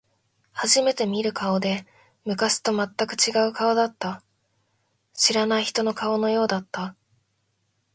初めて見る顔で、昔と全く違う顔だった。知らない人の顔のようだった。